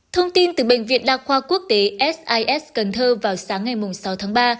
thông tin từ bệnh viện đa khoa quốc tế sis cần thơ vào sáng ngày sáu tháng ba